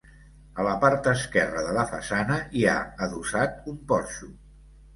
A la part esquerra de la façana hi ha adossat un porxo.